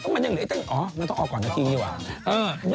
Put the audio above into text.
มันยังเหลือเงินอ๋อมันต้องออกก่อนนาทีนี่แหวะ